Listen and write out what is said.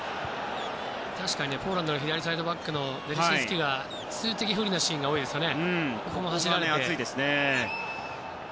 確かにポーランドの左サイドバックのベレシンスキが数的不利なシーンが多いですね。